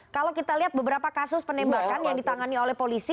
kalau kita lihat beberapa kasus penembakan yang ditangani oleh polisi